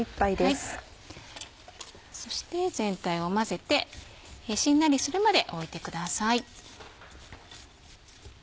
そして全体を混ぜてしんなりするまでおいてください。